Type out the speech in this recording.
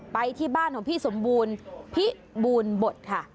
ไปที่บ้านของพี่สมบูรณ์พิบูรณ์บทค่ะ